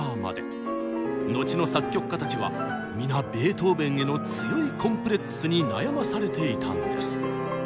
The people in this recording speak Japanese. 後の作曲家たちは皆ベートーベンへの強いコンプレックスに悩まされていたんです。